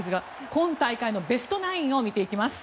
今大会のベストナインを見ていきます。